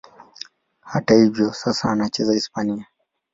Hata hivyo, sasa anacheza Hispania.